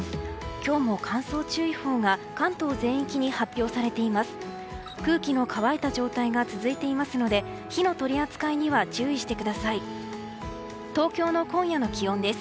今日も乾燥注意報が関東全域に発表されています。